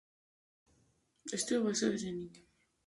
Estudió boxeo desde niño en Cuba.